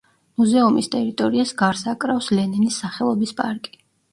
მუზეუმის ტერიტორიას გარს აკრავს ლენინის სახელობის პარკი.